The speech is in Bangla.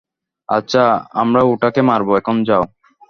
আচ্ছা, আমরা ওটাকে মারবো, এখন যাও!